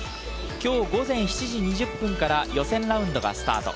きょう午前７時２０分から予選ラウンドがスタート。